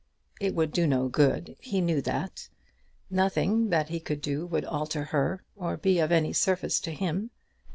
It would do no good. He knew that. Nothing that he could do would alter her, or be of any service to him.